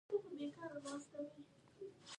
هغې د ژور خزان په اړه خوږه موسکا هم وکړه.